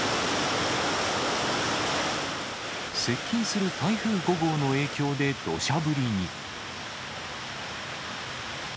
接近する台風５号の影響でどしゃ降りに。